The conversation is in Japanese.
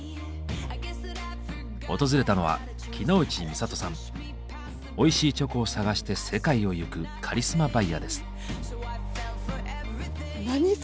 訪れたのはおいしいチョコを探して世界を行くカリスマバイヤーです。